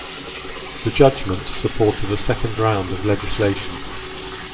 The judgments supported a second round of legislation.